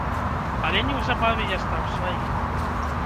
Але неўзабаве я стаў сваім.